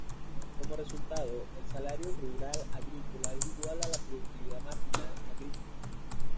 Como resultado, el salario rural agrícola es igual a la productividad marginal agrícola.